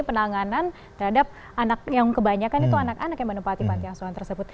sejauh ini penanganan terhadap anak yang kebanyakan itu anak anak yang menopati pantiasuhan tersebut